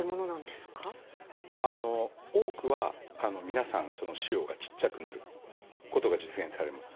多くは皆さん腫瘍がちっちゃくなることが実現されます。